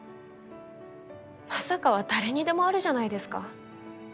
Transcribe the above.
「まさか」は誰にでもあるじゃないですか。